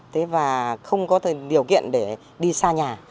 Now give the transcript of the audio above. thế và không có điều kiện để đi xa nhà